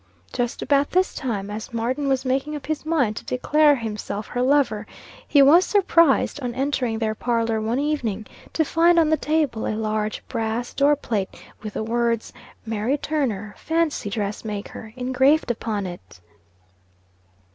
Just about this time, as Martin was making up his mind to declare himself her lover, he was surprised, on entering their parlor one evening, to find on the table a large brass door plate, with the words, "MARY TURNER, FANCY DRESS MAKER," engraved upon it.